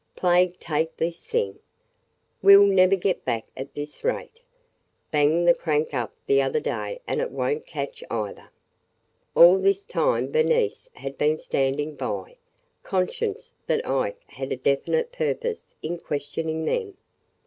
"Plague take this thing! We 'll never get back at this rate. Banged the crank up the other day and it won't catch, either!" All this time Bernice had been standing by, conscious that Ike had a definite purpose in questioning them.